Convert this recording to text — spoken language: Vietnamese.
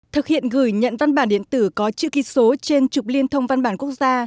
thực hiện gửi nhận văn bản điện tử có chữ ký số trên trục liên thông văn bản quốc gia